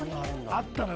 あったのよ